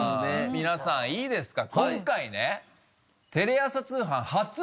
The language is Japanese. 皆さんいいですか？